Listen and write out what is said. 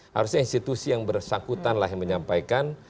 harusnya institusi yang bersangkutan lah yang menyampaikan